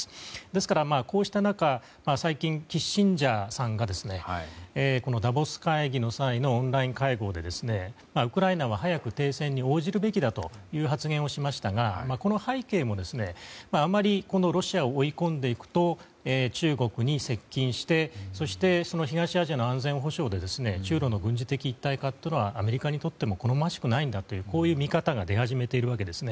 ですから、こうした中最近、キッシンジャーさんがダボス会議の際のオンライン会合でウクライナは早く停戦に応じるべきだという発言をしましたがこの背景も、あまりロシアを追い込んでいくと中国に接近してそして東アジアの安全保障で中露の軍事的一体化というのはアメリカにとって好ましくないんだという見方が出始めているわけです。